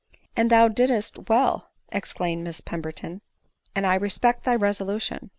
" And thou didst well," exclaimed Mrs Pemberton, " and I respect thy resolution."